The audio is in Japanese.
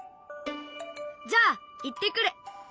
じゃあ行ってくる！